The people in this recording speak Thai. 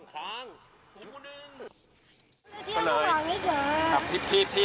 ที่ที่เราหาไงเจอ